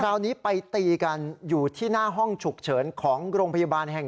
คราวนี้ไปตีกันอยู่ที่หน้าห้องฉุกเฉินของโรงพยาบาลแห่ง๑